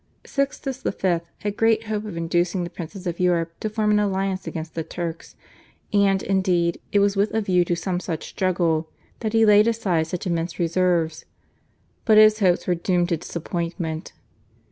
Sixtus V. had great hopes of inducing the princes of Europe to form an alliance against the Turks, and, indeed, it was with a view to some such struggle that he laid aside such immense reserves, but his hopes were doomed to disappointment.